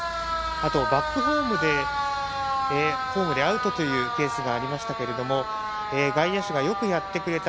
あとバックホームでアウトというケースがありましたが外野手がよくやってくれた。